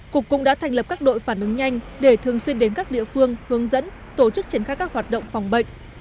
cục cũng đã thành lập các đội phản ứng nhanh để thường xuyên đến các địa phương hướng dẫn tổ chức triển khai các hoạt động phòng bệnh